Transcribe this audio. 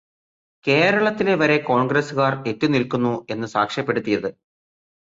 കേരളത്തിലെ വരെ കോണ്ഗ്രസുകാര് എത്തി നില്ക്കുന്നു എന്നു സാക്ഷ്യപ്പെടുത്തിയത്